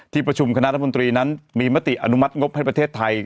ประชุมคณะรัฐมนตรีนั้นมีมติอนุมัติงบให้ประเทศไทย